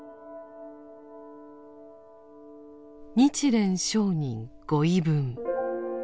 「日蓮聖人御遺文」。